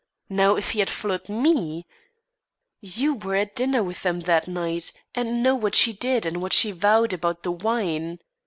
Now, if he had followed me " "You were at dinner with them that night, and know what she did and what she vowed about the wine.